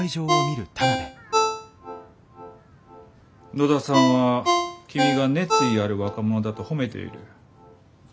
野田さんは君が熱意ある若者だと褒めている。